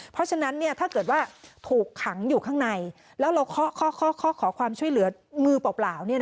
เพราะฉะนั้นถ้าเกิดว่าถูกขังอยู่ข้างในแล้วเราเคาะขอความช่วยเหลือมือเปล่า